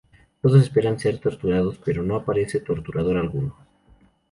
Todos esperan ser torturados, pero no aparece torturador alguno.